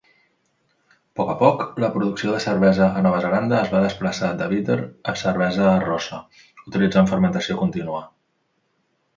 Poc a poc, la producció de cervesa a Nova Zelanda es va desplaçar de bíter a cervesa rossa, utilitzant fermentació contínua.